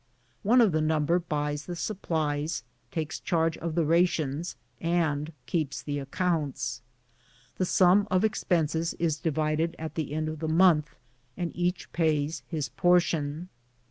One of the number buys the supplies, takes charge of the rations, and keeps the accounts. The sum of expenses is divided at the end of the month, and each 46 BOOTS AND SADDLES. pays his portion.